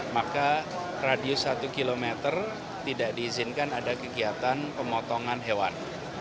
maka radius satu km tidak diizinkan ada kegiatan pemotongan hewan